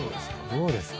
どうですか？